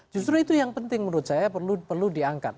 justru itu yang penting menurut saya perlu diangkat